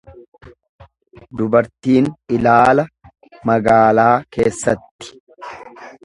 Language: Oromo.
Dubartiin ilaala magaalaa keessatti.